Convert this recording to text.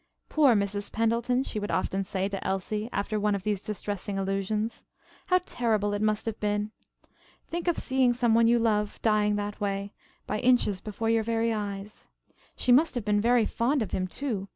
"Poor Mrs. Pendleton," she would often say to Elsie after one of these distressing allusions. "How terrible it must have been. Think of seeing some one you love dying that way, by inches before your eyes. She must have been very fond of him, too.